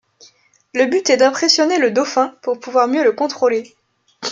Le but est d'impressionner le dauphin pour pouvoir mieux le contrôler.